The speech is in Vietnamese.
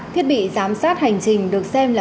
thiết bị giám sát hành trình được xem là